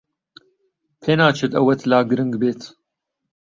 پێناچێت ئەوەت لا گرنگ بێت.